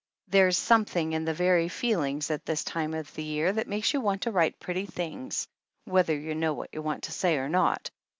There's something in the very feelings at this time of the year that makes you want to write pretty things, whether you know what you want to say or not.